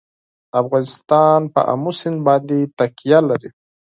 افغانستان په آمو سیند باندې تکیه لري.